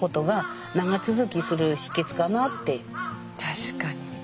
確かに！